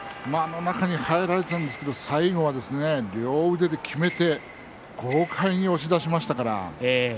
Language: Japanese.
中に入られたんですけれども最後は両腕できめて豪快に押し出しましたから。